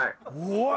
うわ！